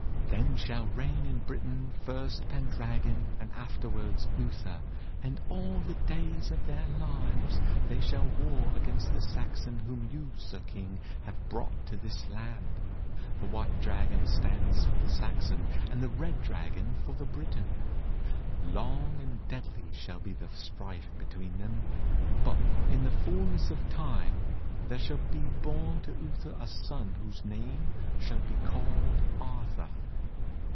'"Then shall reign in Britain first Pendragon and afterwards Uther; and all the days of their lives they shall w^ar against the Saxon whom you. Sir King, have brought to this land. The White Dragon stands for the Saxon, and the Red Dragon for the Briton. Long and deadly shall be the strife betw^een them, but in the fulness of time there shall be born to LTther a son whose name shall be called ARTHUR.